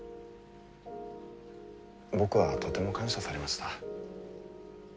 僕はとても感謝されました。